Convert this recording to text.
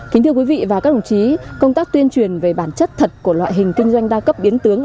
kính thưa quý vị và các đồng chí công tác tuyên truyền về bản chất thật của loại hình kinh doanh đa cấp biến tướng